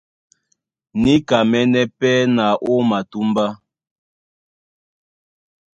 Níkamɛ́nɛ́ pɛ́ na ó matúmbá.